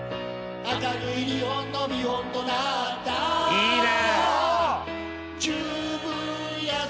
いいね！